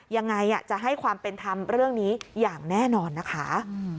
ยังไงจะให้ความเป็นธรรมเรื่องนี้อย่างแน่นอนนะคะ